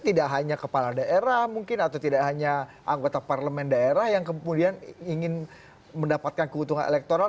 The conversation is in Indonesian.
tidak hanya kepala daerah mungkin atau tidak hanya anggota parlemen daerah yang kemudian ingin mendapatkan keuntungan elektoral